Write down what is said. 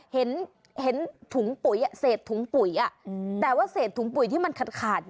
เห็นเห็นถุงปุ๋ยอ่ะเศษถุงปุ๋ยอ่ะอืมแต่ว่าเศษถุงปุ๋ยที่มันขาดขาด